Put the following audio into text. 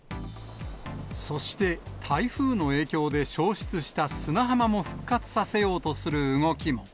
そして、台風の影響で消失した砂浜も復活させようとする動きも。